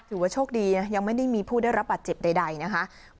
ถือว่าโชคดียังไม่ได้มีผู้ได้รับบาดเจ็บใดนะคะ